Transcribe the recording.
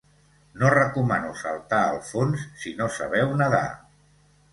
No recomano saltar al fons si no sabeu nedar.